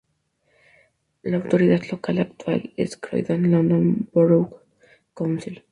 La autoridad local actual es Croydon London Borough Council.